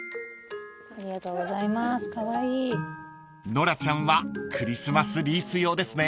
［ノラちゃんはクリスマスリース用ですね］